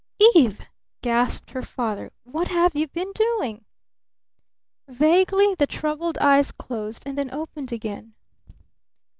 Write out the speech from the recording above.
"Eve!" gasped her father, "what have you been doing?" Vaguely the troubled eyes closed, and then opened again.